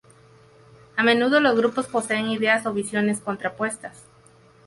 A menudo los grupos poseen ideas o visiones contrapuestas.